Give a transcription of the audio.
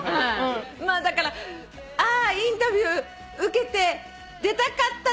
だからインタビュー受けて出たかったな！